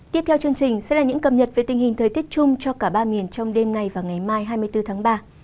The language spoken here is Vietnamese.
tiếp theo chương trình sẽ là những cập nhật về tình hình thời tiết chung cho cả ba miền trong đêm nay và ngày mai hai mươi bốn tháng ba